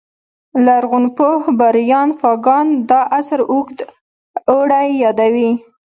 لرغونپوه بریان فاګان دا عصر اوږد اوړی یادوي